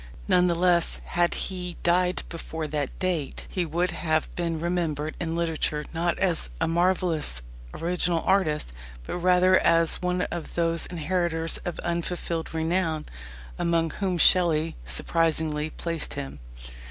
None the less, had he died before that date, he would have been remembered in literature not as a marvellous original artist, but rather as one of those "inheritors of unfulfilled renown" among whom Shelley surprisingly placed him.